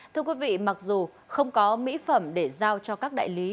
thưa quý vị mặc dù không có mỹ phẩm để giao cho các đại lý